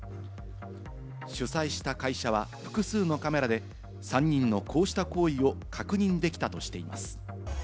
主催した会社は複数のカメラで３人のこうした行為を確認できたとしています。